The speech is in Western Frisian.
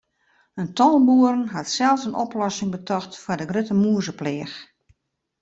In tal boeren hat sels in oplossing betocht foar de grutte mûzepleach.